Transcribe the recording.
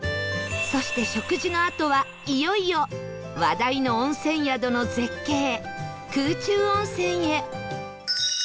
そして食事のあとはいよいよ話題の温泉宿の絶景空中温泉へ